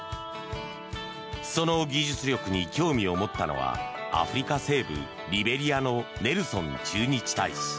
その技術力に興味を持ったのはアフリカ西部リベリアのネルソン駐日大使。